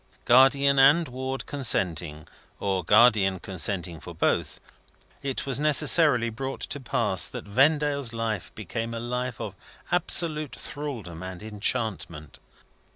Guardian and Ward consenting, or Guardian consenting for both, it was necessarily brought to pass that Vendale's life became a life of absolute thraldom and enchantment.